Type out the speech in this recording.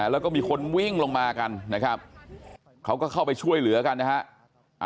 แล้วก็มีคนวิ่งลงมากันนะครับเขาก็เข้าไปช่วยเหลือกันนะฮะ